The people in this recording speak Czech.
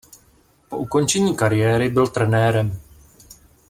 Po ukončení kariéry byl trenérem.